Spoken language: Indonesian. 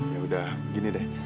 yaudah gini deh